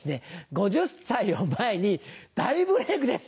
５０歳を前に大ブレイクです。